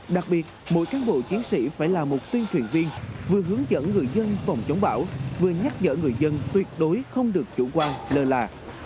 đặc biệt mỗi cán bộ chiến sĩ phải là một tuyên truyền viên vừa hướng dẫn người dân phòng chống bão vừa nhắc nhở người dân tuyệt đối không được chủ quan lơ là